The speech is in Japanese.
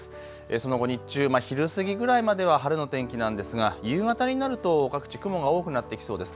その後、日中、昼過ぎぐらいまでは晴れの天気なんですが夕方になると各地、雲が多くなってきそうです。